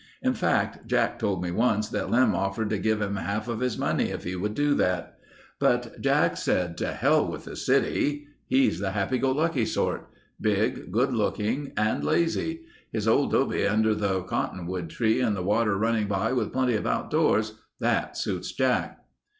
In fact, Jack told me once that Lem offered to give him half of his money if he would do that. But Jack said, to hell with the city. He's the happy go lucky sort. Big, good looking, and lazy. His old dobe under the cottonwood tree and the water running by with plenty of outdoors—that suits Jack."